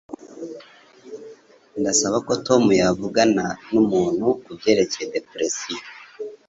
Ndasaba ko Tom yavugana numuntu kubyerekeye depression.